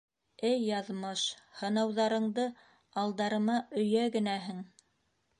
Эй Яҙмыш! һынауҙарыңды алдарыма өйә генәһең!